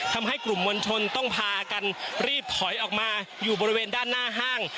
ทำให้กลุ่มมวลชนต้องพากันรีบถอยออกมาอยู่บริเวณด้านหน้าห้าง